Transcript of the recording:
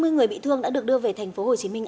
hai mươi người bị thương đã được đưa về tp hcm